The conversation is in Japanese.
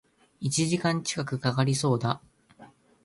一時間近く掛かりそうだ